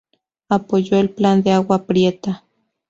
Apoyó el Plan de Agua Prieta.